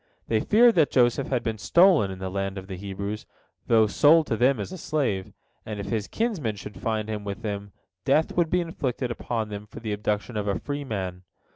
They feared that Joseph had been stolen in the land of the Hebrews, though sold to them as a slave, and if his kinsmen should find him with them, death would be inflicted upon them for the abduction of a free man.